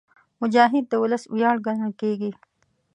مجاهد د ولس ویاړ ګڼل کېږي.